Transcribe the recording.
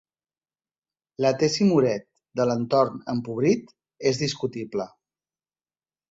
La tesi Moret de l'entorn empobrit és discutible.